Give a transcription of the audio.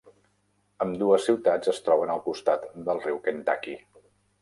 Ambdues ciutats es troben al costat del riu Kentucky.